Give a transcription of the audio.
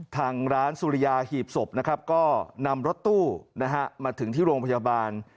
ทางร้านสุริยาหีบศพนะครับก็นำรถตู้มาถึงที่โรงพยาบาล